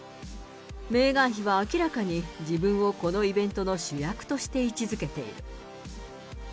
メーガン妃は明らかに、自分をこのイベントの主役として位置づけている。